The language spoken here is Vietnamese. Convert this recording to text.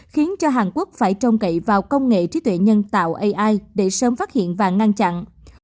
khiến cho hàn quốc phải trông cậy vào công nghệ trí tuệ nhân tạo ai để sớm phát hiện và ngăn chặn